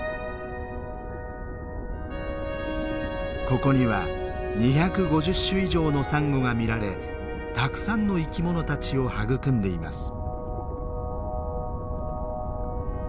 ここには２５０種以上のサンゴが見られたくさんの生き物たちを育んでいます。